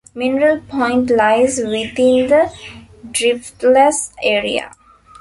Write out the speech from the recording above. Mineral Point lies within the Driftless Area.